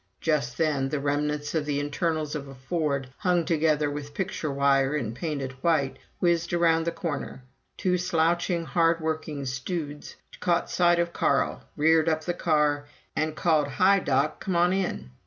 Just then the remnants of the internals of a Ford, hung together with picture wire and painted white, whizzed around the corner. Two slouching, hard working "studes" caught sight of Carl, reared up the car, and called, "Hi, Doc, come on in!"